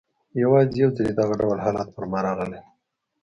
یوازي یو ځلې دغه ډول حالت پر ما راغلی.